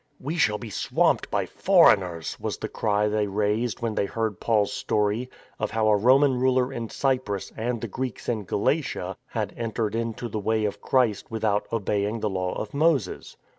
" We shall be swamped by foreigners !" was the cry they raised when they heard Paul's story of how a Roman ruler in Cyprus and the Greeks in Galatia had entered into the Way of Christ without obeying the Law of Moses.